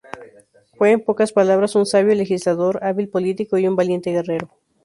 Fue, en pocas palabras, un "sabio legislador, hábil político y un valiente guerrero".